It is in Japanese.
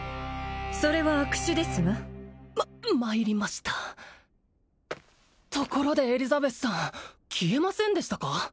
それは悪手ですわままいりましたところでエリザベスさん消えませんでしたか？